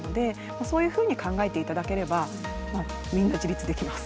そういうふうに考えて頂ければみんな自立できます。